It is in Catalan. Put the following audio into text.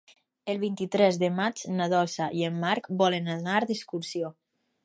El vint-i-tres de maig na Dolça i en Marc volen anar d'excursió.